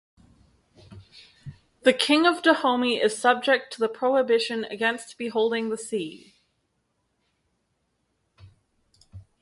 The king of Dahomey is subject to the prohibition against beholding the sea.